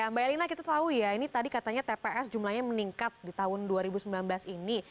mbak elina kita tahu ya ini tadi katanya tps jumlahnya meningkat di tahun dua ribu sembilan belas ini